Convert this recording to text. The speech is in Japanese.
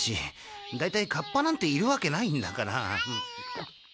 大体カッパなんているわけないんだから。